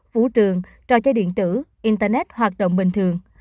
vũ trường trò chơi điện tử internet hoạt động bình thường